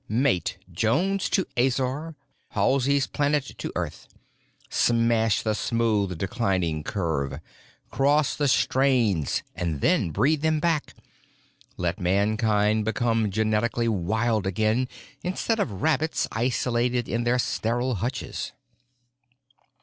"Mate Jones to Azor, Halsey's Planet to Earth. Smash the smooth, declining curve! Cross the strains, and then breed them back. Let mankind become genetically wild again instead of rabbits isolated in their sterile hutches!"